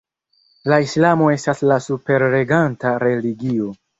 La islamo estas la superreganta religio.